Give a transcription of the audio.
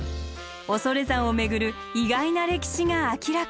恐山をめぐる意外な歴史が明らかに。